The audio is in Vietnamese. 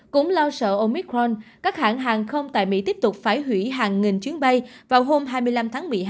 cũng lo sợ omicron các hãng hàng không tại mỹ tiếp tục phải hủy hàng nghìn chuyến bay vào hôm hai mươi năm tháng một mươi hai